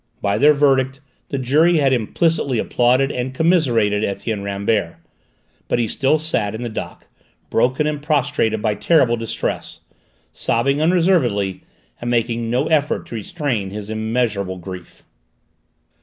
By their verdict the jury had implicitly applauded and commiserated Etienne Rambert; but he still sat in the dock, broken and prostrated by terrible distress, sobbing unreservedly and making no effort to restrain his immeasurable grief.